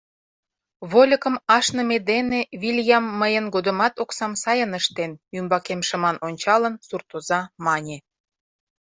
— Вольыкым ашныме дене Вилйам мыйын годымат оксам сайын ыштен, — ӱмбакем шыман ончалын, суртоза мане.